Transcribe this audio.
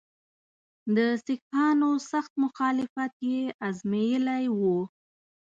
د سیکهانو سخت مخالفت یې آزمېیلی وو.